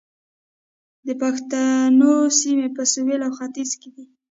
د پښتنو سیمې په سویل او ختیځ کې دي